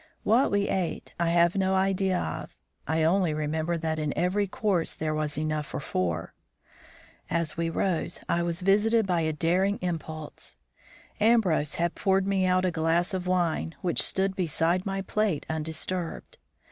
What we ate I have no idea of. I only remember that in every course there was enough for four. As we rose, I was visited by a daring impulse. Ambrose had poured me out a glass of wine, which stood beside my plate undisturbed.